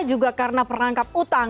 juga karena perangkap utang